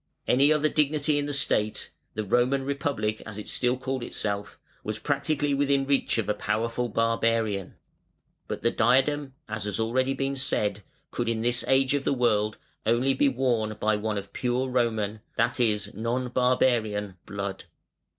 Any other dignity in the State, the "Roman Republic", as it still called itself, was practically within reach of a powerful barbarian, but the diadem, as has been already said, could in this age of the world, only be worn by one of pure Roman, that is, non barbarian, blood.